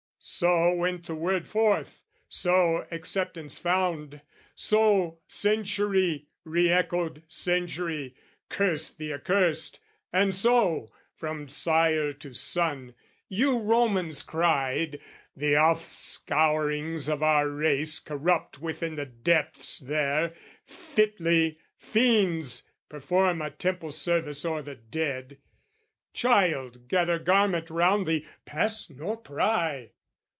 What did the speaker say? "So went the word forth, so acceptance found, "So century re echoed century, "Cursed the accursed, and so, from sire to son, "You Romans cried 'The offscourings of our race "'Corrupt within the depths there: fitly, fiends "'Perform a temple service o'er the dead: "'Child, gather garment round thee, pass nor pry!'